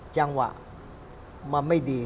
จังหวะมันไม่ดี